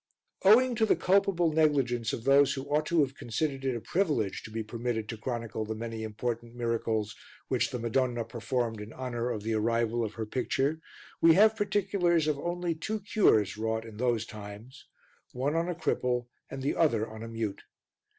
Owing to the culpable negligence of those who ought to have considered it a privilege to be permitted to chronicle the many important miracles which the Madonna performed in honour of the arrival of her picture, we have particulars of only two cures wrought in those times, one on a cripple and the other on a mute.